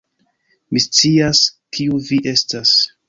Mi scias, kiu vi estas.